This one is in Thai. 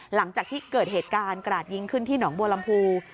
หลังจากที่เกิดเหตุการณ์กราดยิงขึ้นที่หนองบัวลำพู